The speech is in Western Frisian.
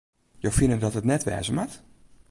Jo fine dat it net wêze moat?